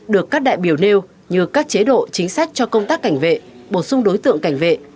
được các đại biểu nêu như các chế độ chính sách cho công tác cảnh vệ bổ sung đối tượng cảnh vệ